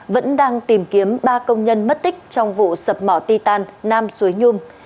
vẫn đang tìm kiếm ba công nhân mất tích trong vụ sập mỏ ti tan nam suối nhung